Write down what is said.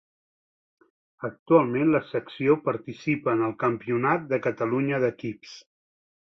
Actualment la secció participa en el Campionat de Catalunya d'equips.